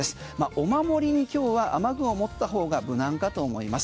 お守りに今日は雨具を持った方が無難かと思います。